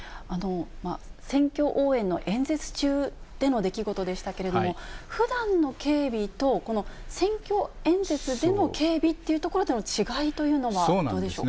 選挙応援の演説中での出来事でしたけれども、ふだんの警備と、この選挙演説での警備というところでの違いというのはどうでしょ